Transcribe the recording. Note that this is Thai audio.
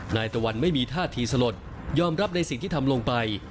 นายตะวันไม่มีท่าทีสลดยอมรับในสิ่งที่ทำลงไป